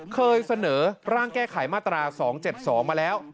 เคยเสนอร่างแก้ไขมาตรา๒๗๒มาแล้ว